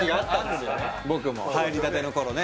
僕も入りたての頃ね